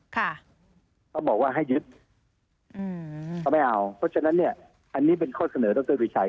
เขาบอกว่าให้ยึดอืมเขาไม่เอาเพราะฉะนั้นเนี่ยอันนี้เป็นข้อเสนอดรวิชัย